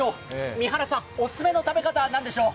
三原さん、オススメの食べ方は何でしょう？